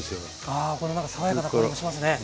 あこのなんか爽やかな香りもしますね。